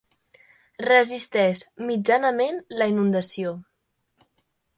Resisteix mitjanament la inundació.